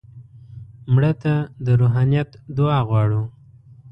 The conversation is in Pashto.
مړه ته د روحانیت دعا غواړو